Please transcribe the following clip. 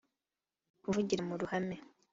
kuvugira mu ruhame